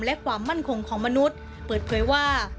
และความมั่นคงของมนุษย์เปิดเผยว่า